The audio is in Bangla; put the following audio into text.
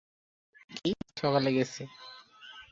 আজকে সকালে গেছে।